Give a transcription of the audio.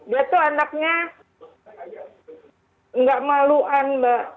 dia tuh anaknya nggak maluan mbak